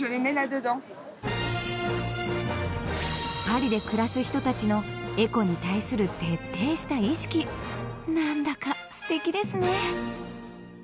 パリで暮らす人達のエコに対する徹底した意識何だか素敵ですね